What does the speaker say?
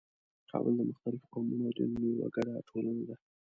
کابل د مختلفو قومونو او دینونو یوه ګډه ټولنه ده.